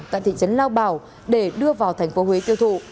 tại thị trấn lao bảo để đưa vào thành phố huế tiêu thụ